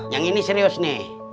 yang ini serius nih